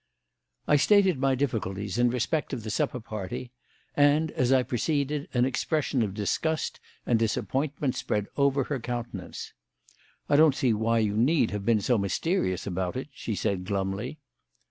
I stated my difficulties in respect of the supper party, and, as I proceeded, an expression of disgust and disappointment spread over her countenance. "I don't see why you need have been so mysterious about it," she said glumly.